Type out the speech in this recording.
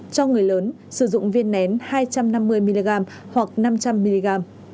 cho người lớn sử dụng viên nén hai trăm năm mươi mg hoặc năm trăm linh mg